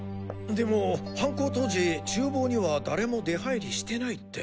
でも犯行当時厨房には誰も出入りしてないって。